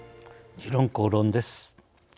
「時論公論」です。